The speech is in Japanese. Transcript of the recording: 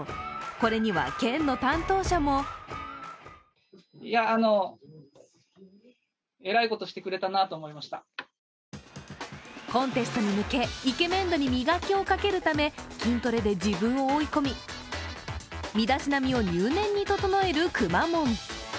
これには県の担当者もコンテストに向け、イケメン度に磨きをかけるため筋トレで自分を追い込み身だしなみを入念に整えるくまモン。